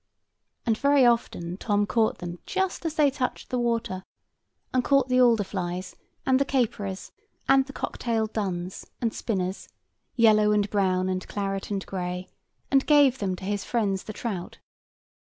And very often Tom caught them just as they touched the water; and caught the alder flies, and the caperers, and the cock tailed duns and spinners, yellow, and brown, and claret, and gray, and gave them to his friends the trout.